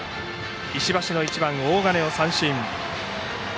石橋の１番、大金を三振。